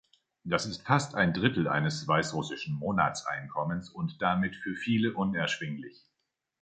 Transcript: Das ist fast ein Drittel eines weißrussischen Monatseinkommens und damit für viele unerschwinglich.